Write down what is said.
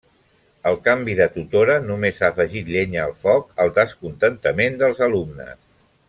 El canvi de tutora només ha afegit llenya al foc al descontentament dels alumnes.